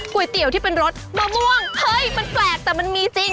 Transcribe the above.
ก๋วยเตี๋ยวที่เป็นรสมะม่วงเฮ้ยมันแปลกแต่มันมีจริง